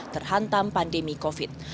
terhantam pandemi covid